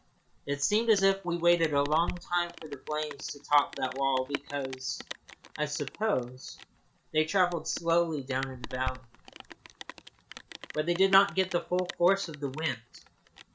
It seemed as if we waited a long time for the flames to top that wall, because, I suppose, they travelled slowly down in the valley beyond, where they did not get the full force of the wind.